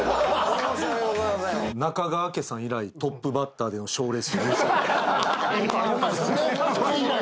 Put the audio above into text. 中川家さん以来トップバッターでの賞レース優勝。